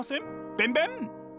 ベンベン！